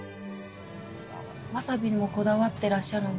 わさびにもこだわってらっしゃるんですか？